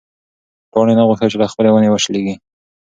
پاڼې نه غوښتل چې له خپلې ونې وشلېږي.